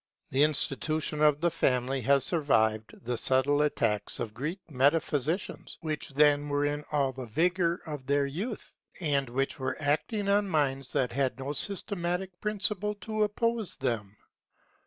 The institution of the family has survived the subtle attacks of Greek metaphysics, which then were in all the vigour of their youth, and which were acting on minds that had no systematic principles to oppose to them.